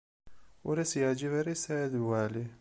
Ur as-yeɛǧib ara i Saɛid Waɛli.